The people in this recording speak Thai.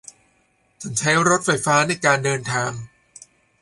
ฉันใช้รถไฟในการเดินทาง